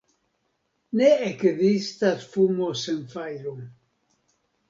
Ne ekzistas fumo sen fajro.